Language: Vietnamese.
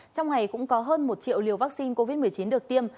trong ngày cũng có hơn một triệu liều vaccine covid một mươi chín được tiêm